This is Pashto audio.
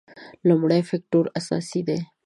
لومړی فکټور اساسي دی.